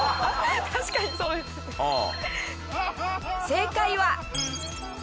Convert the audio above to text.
正解は。